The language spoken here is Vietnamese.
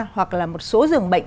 hoặc là một số giường bệnh